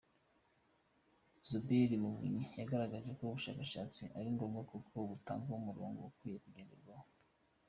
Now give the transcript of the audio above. Zuberi Muvunyi, yagaragaje ko ubushakashatsi ari ngombwa kuko butanga umurongo ukwiye kugenderwaho.